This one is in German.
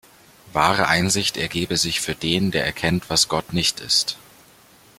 Wahre Einsicht ergebe sich für den, der erkennt, was Gott nicht ist.